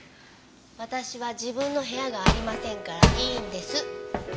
私は自分の部屋がありませんからいいんです。